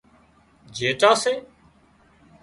جيٽان سي